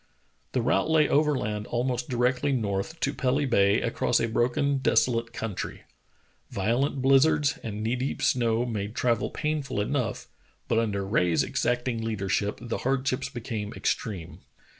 The route lay overland almost directly north, to Pelly Ba}' across a broken, desolate country. Violent blizzards and knee deep snow made travel painful enough, but under Rae's exacting leadership the hard ships became extreme.